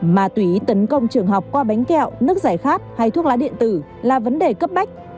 ma túy tấn công trường học qua bánh kẹo nước giải khát hay thuốc lá điện tử là vấn đề cấp bách